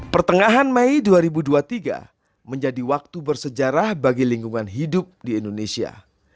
pertengahan mei dua ribu dua puluh tiga menjadi waktu bersejarah bagi lingkungan hidup di indonesia